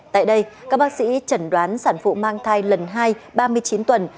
tại đây các bác sĩ chẩn đoán sản phụ mang thai lần hai ba mươi chín tuần